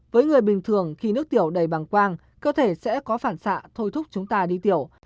với người bình thường khi nước tiểu đầy bằng quang cơ thể sẽ có phản xạ thôi thúc chúng ta đi tiểu